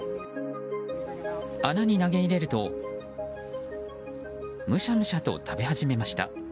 穴に投げ入れるとむしゃむしゃと食べ始めました。